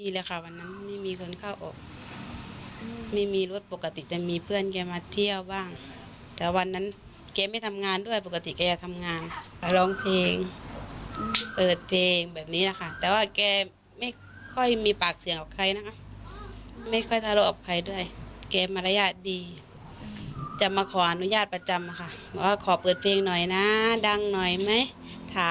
แถวนี้ประจำแถวนี้ไม่มีใครเกลียดด้วยแค่อยู่อย่างนั้นค่ะ